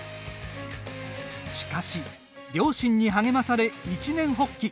しかし、両親に励まされ一念発起。